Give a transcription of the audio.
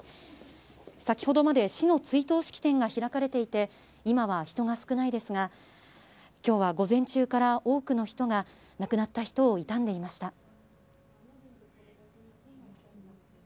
先ほどまで市の追悼式典が開かれていて今は人が少ないですが今日は午前中から多くの人が亡くなった人を悼んでいました。